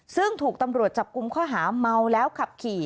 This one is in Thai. ซึ่งถูกตำรวจจับกุมข้อหาเมาแล้วขับขี่